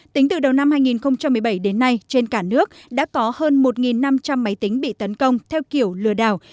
tính từ đầu năm hai nghìn một mươi bảy đến nay trên cả nước đã có hơn một năm trăm linh máy tính bị tấn công theo kiểu lừa đảo